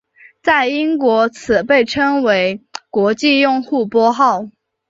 在英国此被称为国际用户拨号。